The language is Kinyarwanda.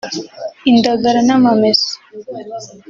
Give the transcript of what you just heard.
indagara n’amamesa